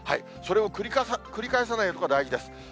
それを繰り返さないことが大事です。